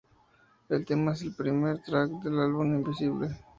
El tema es el primer track del álbum "Invisible".